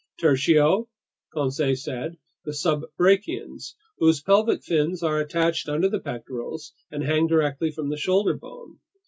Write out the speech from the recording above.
"Tertio," Conseil said, "the subbrachians, whose pelvic fins are attached under the pectorals and hang directly from the shoulder bone.